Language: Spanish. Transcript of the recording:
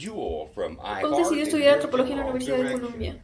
Wolf decidió estudiar antropología en la Universidad de Columbia.